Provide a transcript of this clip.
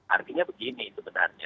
artinya begini sebenarnya